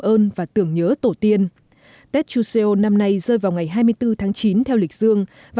tổn và tưởng nhớ tổ tiên tết chuseo năm nay rơi vào ngày hai mươi bốn tháng chín theo lịch dương và